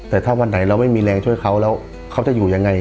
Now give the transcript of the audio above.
แต่ถ้าวันไหนเราไม่มีแรงช่วยเขาแล้วเขาจะอยู่ยังไง